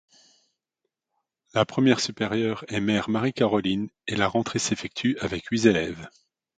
La première supérieure est mère Marie-Caroline et la rentrée s'effectue avec huit élèves.